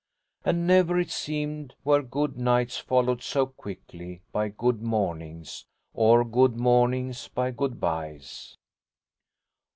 And never, it seemed, were good nights followed so quickly by good mornings, or good mornings by good byes.